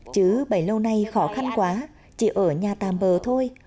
chứ bấy lâu nay khó khăn quá chỉ ở nhà tàm bờ thôi